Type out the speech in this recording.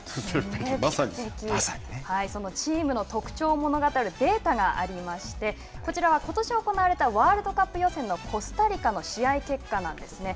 チームの特徴を物語るデータがありましてこちらはことし行われたワールドカップ予選のコスタリカの試合結果なんですね。